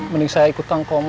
mending saya ikut kang komar